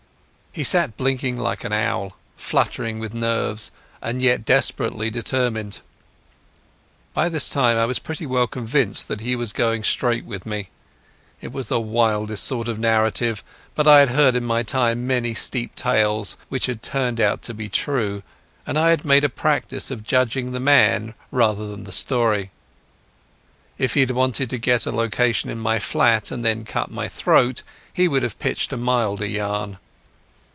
He sat blinking like an owl, fluttering with nerves and yet desperately determined. By this time I was pretty well convinced that he was going straight with me. It was the wildest sort of narrative, but I had heard in my time many steep tales which had turned out to be true, and I had made a practice of judging the man rather than the story. If he had wanted to get a location in my flat, and then cut my throat, he would have pitched a milder yarn.